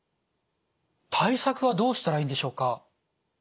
対策はどうしたらいいんでしょうか？